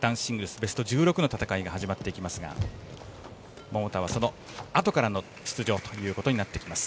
ベスト１６の戦いが始まってきますが桃田は、そのあとから出場ということになってきます。